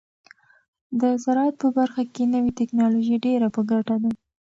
د زراعت په برخه کې نوې ټیکنالوژي ډیره په ګټه ده.